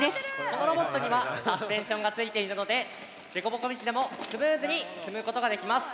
このロボットにはサスペンションが付いているのでデコボコ道でもスムーズに進むことができます。